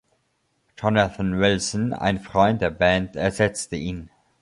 Jonathan Wilson, ein Freund der Band, ersetzte ihn.